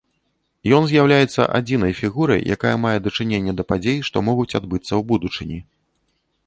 Ён з'яўляецца адзінай фігурай, якая мае дачыненне да падзей, што могуць адбыцца ў будучыні.